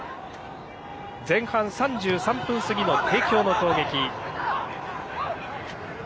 前半３３分過ぎの帝京の攻撃。